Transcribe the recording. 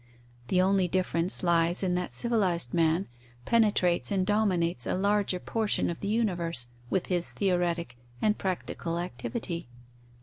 The only difference lies in that civilized man penetrates and dominates a larger portion of the universe with his theoretic and practical activity.